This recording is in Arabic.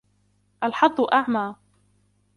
الحظ أعمى.